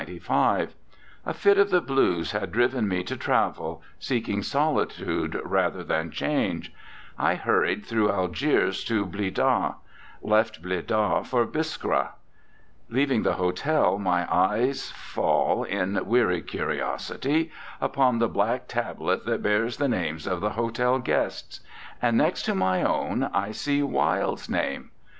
A fit of the blues had driven me to travel, seeking solitude rather than change. I hurried through Algiers to Blidah; left Blidah for Biskra. Leaving the hotel, my eyes fall, in weary curiosity, upon the black tablet that bears the names of the hotel guests. And next to my own I see Wilde's name.